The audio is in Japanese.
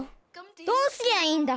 どうすりゃいいんだ⁉